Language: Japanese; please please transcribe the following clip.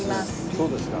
そうですか。